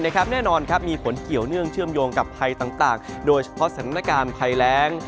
แน่นอนมีผลเกี่ยวเนื่องเชื่อมโยงกับภัยต่างโดยเฉพาะสถานการณ์ภัยแรง